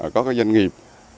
có cái doanh nghiệp